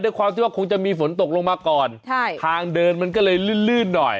ด้วยความที่ว่าคงจะมีฝนตกลงมาก่อนใช่ทางเดินมันก็เลยลื่นลื่นหน่อย